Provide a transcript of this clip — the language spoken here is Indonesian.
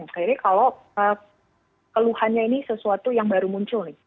jadi kalau keluhannya ini sesuatu yang baru muncul nih